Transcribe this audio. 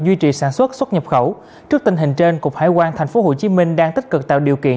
duy trì sản xuất xuất nhập khẩu trước tình hình trên cục hải quan tp hcm đang tích cực tạo điều kiện